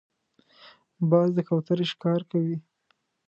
باز د کوترې ښکار کوي